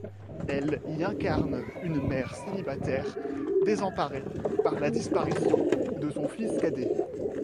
Elle y incarne une mère célibataire désemparée par la disparition de son fils cadet.